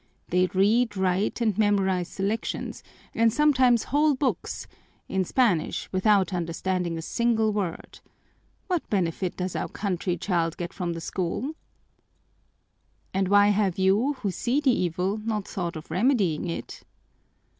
They read, write, and memorize selections, and sometimes whole books, in Spanish, without understanding a single word. What benefit does our country child get from the school?" "And why have you, who see the evil, not thought of remedying it?"